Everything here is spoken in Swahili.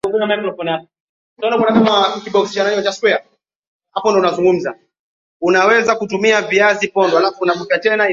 unaweza kutumia Viazi pondwa pondwa